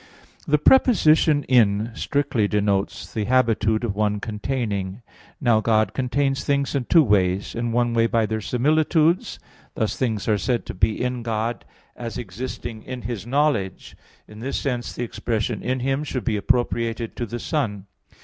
The preposition "in" strictly denotes the habitude of one containing. Now, God contains things in two ways: in one way by their similitudes; thus things are said to be in God, as existing in His knowledge. In this sense the expression "in Him" should be appropriated to the Son.